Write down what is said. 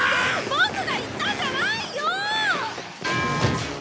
ボクが言ったんじゃないよ！